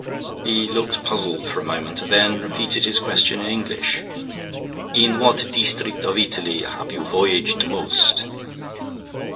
He looked puzzled for a moment and then repeated his question in English. "In what deestrict of Italy 'ave you voyaged most?"